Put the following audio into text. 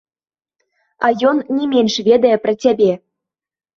А ён не менш ведае пра цябе.